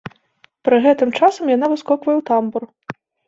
Пры гэтым часам яна выскоквае ў тамбур.